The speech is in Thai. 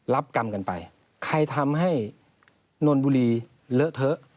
รับกรรมกันไปใครทำให้นนบุรีเลอะเทอะ